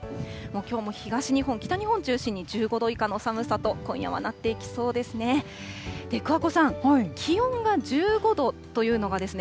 きょうも東日本、北日本中心に１５度以下の寒さと、今夜はなっていきそうですね。